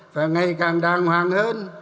và ngày càng đàng hoàng hơn